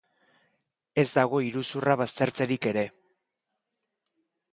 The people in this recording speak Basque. Ez dago iruzurra baztertzerik ere.